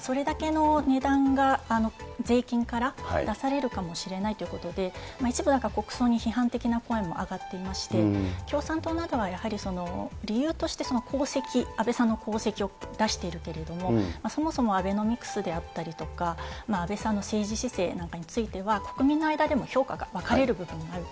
それだけの値段が税金から出されるかもしれないということで、一部なんか国葬に批判的な声も上がっていまして、共産党などはやはり、理由としてその功績、安倍さんの功績を出しているけれども、そもそもアベノミクスであったりとか、安倍さんの政治姿勢なんかについては、国民の間でも評価が分かれる部分があると。